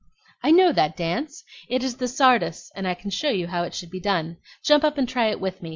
"I know that dance! It is the tzardas, and I can show you how it should be done. Jump up and try it with me!"